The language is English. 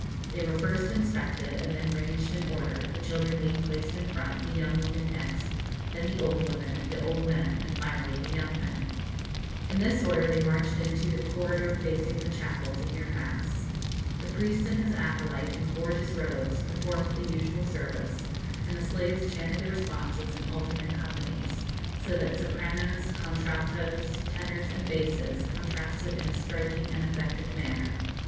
They were first inspected, and then ranged in order, the children being placed in front, the young women next, then the old women, the old men, and finally the young men. In this order they marched into the corridor facing the chapel, to hear mass. The priest and his acolyte, in gorgeous robes, performed the usual service, and the slaves chanted the responses in alternate companies, so that sopranos, contraltos, tenors, and basses, contrasted in a striking and effective manner.